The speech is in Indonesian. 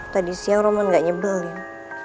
tadi siang roman gak nyebelin